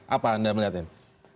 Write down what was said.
apa anda melihat ini